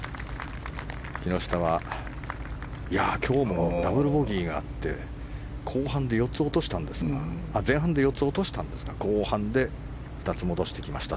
木下は今日もダブルボギーがあって前半で４つ落としたんですが後半で２つ戻してきました。